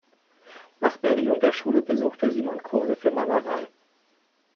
Nach Beendigung der Schule besuchte Simon Kurse für Malerei.